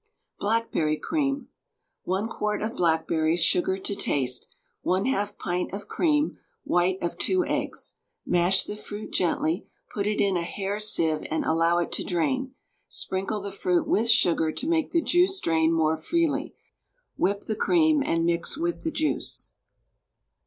BLACKBERRY CREAM. 1 quart of blackberries, sugar to taste, 1/2 pint of cream, white of 2 eggs. Mash the fruit gently, put it into a hair sieve and allow it to drain. Sprinkle the fruit with sugar to make the juice drain more freely; whip the cream and mix with the juice.